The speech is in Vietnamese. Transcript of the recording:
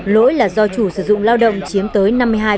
lỗi là do chủ sử dụng lao động chiếm tới năm mươi hai